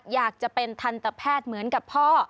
อยากจะเป็นทันตแพทย์เหมือนกับพ่อ